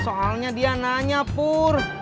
soalnya dia nanya pur